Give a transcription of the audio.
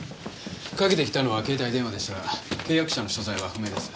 かけてきたのは携帯電話でしたが契約者の所在は不明です。